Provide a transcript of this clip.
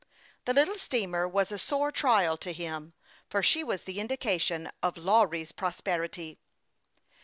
The little steamer was a sore trial to him, for she was the indication of Lawry's prosperity.